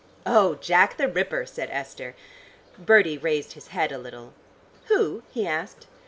"Oh, 'Jack the Ripper,'" said Esther. Bertie raised his head a little. "Who?" he asked.